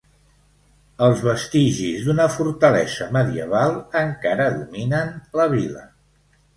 Els vestigis d'una fortalesa medieval encara dominen la vila.